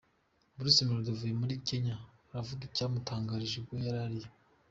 Bruce Melody uvuye muri Kenya aravuga icyamutangaje ubwo yarariyo.